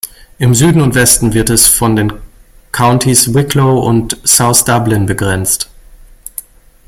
Im Süden und Westen wird es von den Countys Wicklow und South Dublin begrenzt.